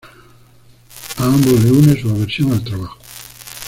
A ambos les une su aversión al trabajo.